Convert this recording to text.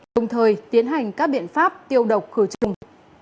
đồng thời tiến hành các biện pháp tiêu độc khử trùng